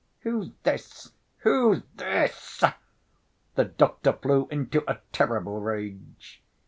"Who's this? Who's this?" The doctor flew into a terrible rage.